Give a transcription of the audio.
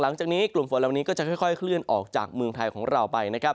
หลังจากนี้กลุ่มฝนเหล่านี้ก็จะค่อยเคลื่อนออกจากเมืองไทยของเราไปนะครับ